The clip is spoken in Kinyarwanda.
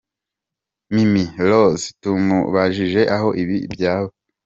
Mimi LaRose tumubajije aho ibi byaba.